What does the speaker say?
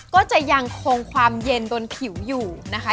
ก็จะยังคงความเย็นบนผิวอยู่นะคะ